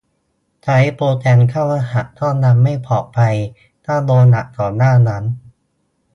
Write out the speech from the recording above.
ใช้โปรแกรมเข้ารหัสก็ยังไม่ปลอดภัย ถ้าโดนดักก่อนหน้านั้น